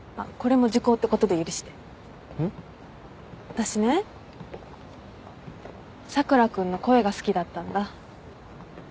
私ね佐倉君の声が好きだったんだ。